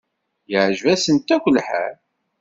Yeɛjeb-asen akk lḥal.